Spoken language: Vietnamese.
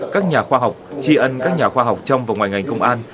các nhà khoa học tri ân các nhà khoa học trong và ngoài ngành công an